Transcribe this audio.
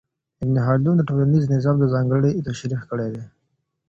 ابن خلدون د ټولنیز نظام ځانګړنې تشریح کوي.